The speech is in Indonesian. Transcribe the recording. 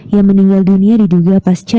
yang meninggal dunia diduga pasca